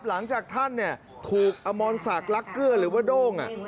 หลังจากท่านถูกอมรศักดิ์ลักเกื้อหรือว่าโด้ง